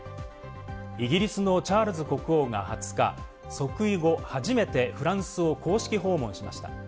イギリスのチャールズ国王が２０日、即位後、初めてフランスを公式訪問しました。